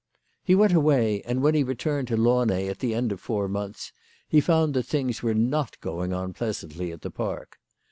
He went away, and when he returned to Launay at the end of four months he found that things were not going on pleasantly at the Park.